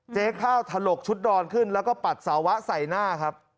เจ๊ข้าวถลกชุดดอนขึ้นแล้วก็ปัดสาวะใส่หน้าครับ